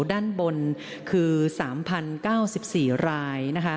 ด้านบนคือ๓๐๙๔ราย